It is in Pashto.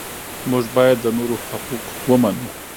موږ باید د نورو حقوق ومنو.